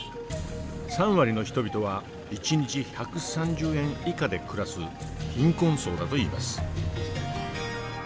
３割の人々は一日１３０円以下で暮らす貧困層だといいます。